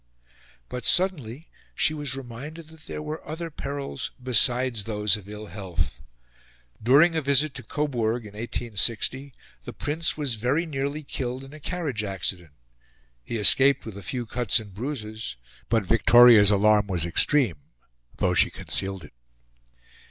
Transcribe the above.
But suddenly she was reminded that there were other perils besides those of ill health. During a visit to Coburg in 1860, the Prince was very nearly killed in a carriage accident. He escaped with a few cuts and bruises; but Victoria's alarm was extreme, though she concealed it.